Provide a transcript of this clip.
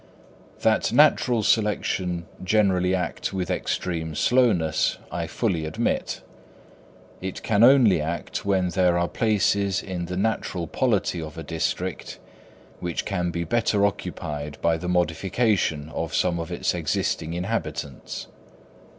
That natural selection generally act with extreme slowness I fully admit. It can act only when there are places in the natural polity of a district which can be better occupied by the modification of some of its existing inhabitants.